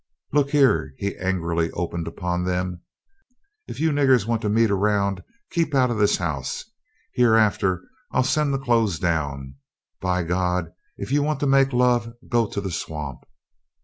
"Look here," he angrily opened upon them, "if you niggers want to meet around keep out of this house; hereafter I'll send the clothes down. By God, if you want to make love go to the swamp!"